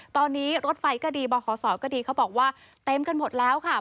ตอนนี้รถไฟก็ดีบขศก็ดีเขาบอกว่าเต็มกันหมดแล้วค่ะ